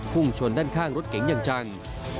พุ่งชนด้านข้างรถเก๋งอย่างจัง